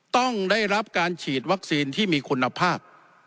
ต้องได้รับการฉีดวัคซีนที่มีคุณภาพ